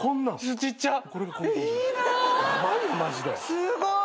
すごい！